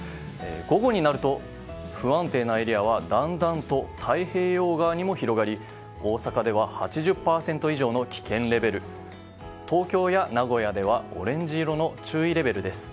午後になると不安定なエリアはだんだんと太平洋側にも広がり大阪では８０％以上の危険レベル東京や名古屋ではオレンジ色の注意レベルです。